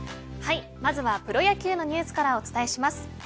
まずはプロ野球のニュースからお伝えします。